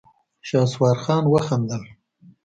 شهسوار خان وخندل.